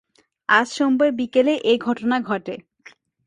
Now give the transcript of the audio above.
আজ সোমবার বিকেলে এ ঘটনা ঘটে।